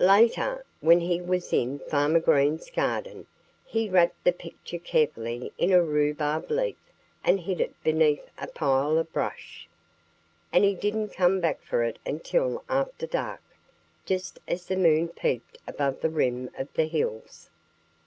Later, when he was in Farmer Green's garden, he wrapped the picture carefully in a rhubarb leaf and hid it beneath a pile of brush. And he didn't come back for it until after dark, just as the moon peeped above the rim of the hills.